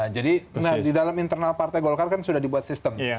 jadi di dalam internal partai golkar kan sudah dibuat sistem